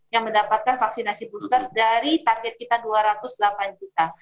yang mendapatkan vaksinasi booster dari target kita dua ratus delapan juta